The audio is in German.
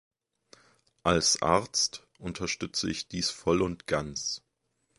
Als Arzt unterstütze ich dies voll und ganz.